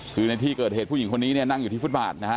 คือในที่เกิดเหตุผู้หญิงคนนี้เนี่ยนั่งอยู่ที่ฟุตบาทนะฮะ